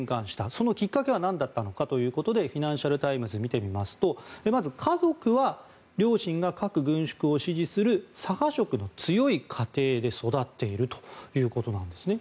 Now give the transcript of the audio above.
そのきっかけはなんだったのかということでフィナンシャル・タイムズを見てみますとまず家族は両親が核軍縮を支持する左派色の強い家庭で育っているということなんですね。